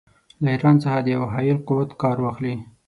له ایران څخه د یوه حایل قوت کار واخلي.